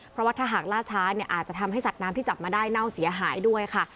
เพราะว่าถ้าหากล่าช้าเนี่ยอาจจะทำให้สัตว์น้ำที่จับมาได้เน่าเสียหายด้วยค่ะ